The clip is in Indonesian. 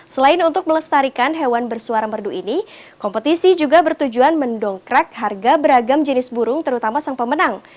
selain untuk melestarikan hewan bersuara merdu ini kompetisi juga bertujuan mendongkrak harga beragam jenis burung terutama sang pemenang